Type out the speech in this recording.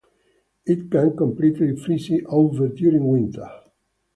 It can completely freeze over during winter.